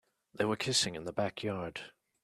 They were kissing in the backyard.